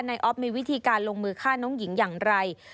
อ๊อฟมีวิธีการลงมือฆ่าน้องหญิงอย่างไร